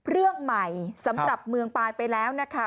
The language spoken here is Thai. เรื่องใหม่สำหรับเมืองปลายไปแล้วนะคะ